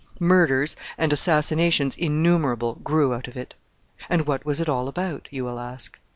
Murders and assassinations innumerable grew out of it. And what was it all about? you will ask.